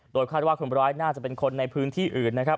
โดยคาดว่าคนบร้อยน่าจะเป็นคนในพื้นที่อื่น